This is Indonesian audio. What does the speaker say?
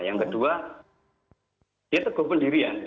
yang kedua dia teguh pendirian